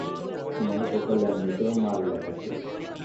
উনার কপালে এমনিতেও মার লেখা ছিল!